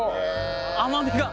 甘みが。